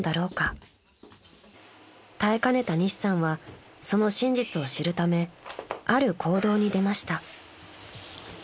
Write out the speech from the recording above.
［耐えかねた西さんはその真実を知るためある行動に出ました］